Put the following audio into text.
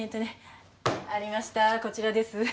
こちらです。